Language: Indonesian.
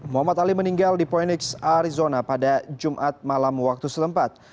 muhammad ali meninggal di poinnix arizona pada jumat malam waktu setempat